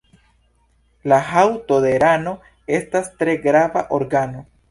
La haŭto de rano estas tre grava organo.